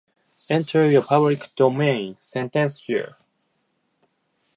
Enter your public domain sentence here